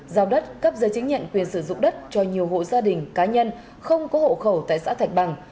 giao đất cấp giấy chứng nhận quyền sử dụng đất cho nhiều hộ gia đình cá nhân không có hộ khẩu tại xã thạch bằng